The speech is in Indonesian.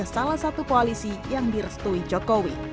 salah satu koalisi yang direstui jokowi